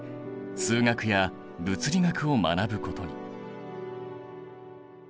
数学や物理学を学ぶことに。